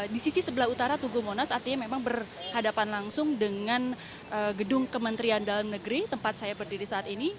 di sisi sebelah utara tugu monas artinya memang berhadapan langsung dengan gedung kementerian dalam negeri tempat saya berdiri saat ini